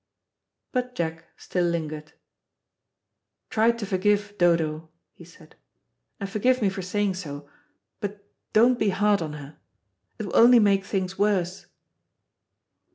But Jack still lingered. "Try to forgive Dodo," he said; "and forgive me for saying so, but don't be hard on her. It will only make things worse."